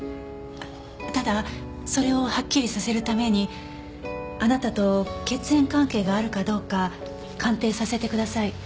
ただそれをはっきりさせるためにあなたと血縁関係があるかどうか鑑定させてください。